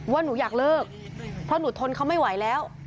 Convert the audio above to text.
ว่าหนูอยากเลิกเพราะหนูทนเขาไม่ไหวแล้ว